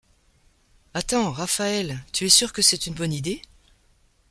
Attends, Raphaëlle, tu es sûre que c’est une bonne idée ?